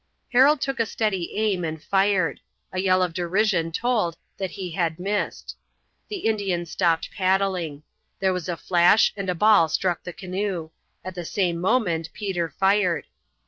Harold took a steady aim and fired. A yell of derision told that he had missed. The Indians stopped paddling. There was a flash and a ball struck the canoe. At the same moment Peter fired.